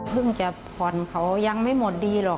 พึ่งจะพรเขายังไม่หมดดีหรอก